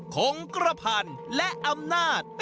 ขงกระพัน